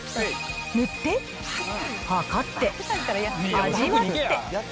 塗って、量って、味わって。